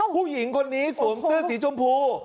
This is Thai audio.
ผู้หญิงคนนี้สวมเสื้อสีชมพู